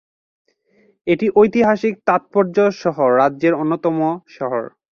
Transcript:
এটি ঐতিহাসিক তাৎপর্য সহ রাজ্যের অন্যতম শহর।